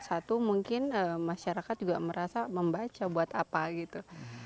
satu mungkin masyarakat juga merasa membaca buat apa gitu